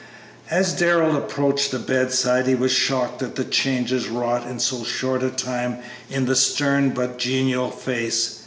As Darrell approached the bedside he was shocked at the changes wrought in so short a time in the stern, but genial face.